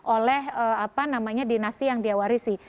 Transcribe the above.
oleh dinasti yang diawarisi